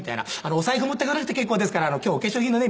お財布持ってこなくて結構ですから今日お化粧品のね